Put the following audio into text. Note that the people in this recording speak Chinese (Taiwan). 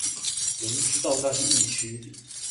明知道那是疫區